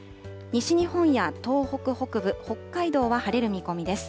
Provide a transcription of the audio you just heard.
西日本や東北北部、北海道は晴れる見込みです。